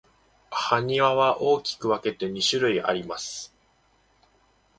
埴輪は大きく分けて二種類あります。